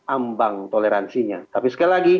ambang toleransinya tapi sekali lagi